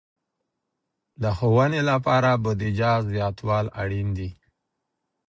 د ښوونې لپاره بودیجه زیاتول اړین دي.